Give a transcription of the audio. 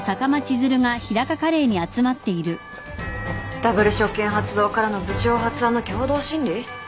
ダブル職権発動からの部長発案の共同審理？